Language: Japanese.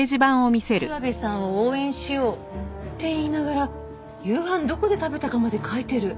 諏訪部さんを応援しようって言いながら夕飯どこで食べたかまで書いてる。